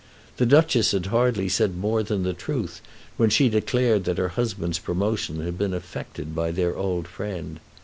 The Duchess had hardly said more than the truth when she declared that her husband's promotion had been effected by their old friend.